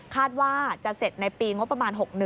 คาดว่าจะเสร็จในปีงบประมาณ๖๑